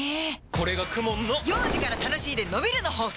これがＫＵＭＯＮの幼児から楽しいでのびるの法則！